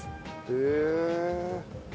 へえ！